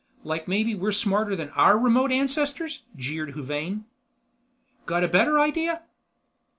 "Like maybe we're smarter than our remote ancestors?" jeered Huvane. "Got a better idea?"